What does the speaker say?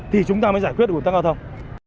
thì chúng ta mới giải quyết được vận tài cao tầng